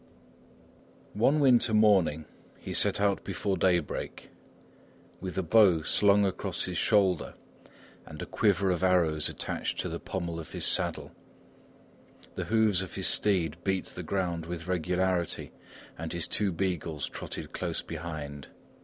One winter morning he set out before daybreak, with a bow slung across his shoulder and a quiver of arrows attached to the pummel of his saddle. The hoofs of his steed beat the ground with regularity and his two beagles trotted close behind.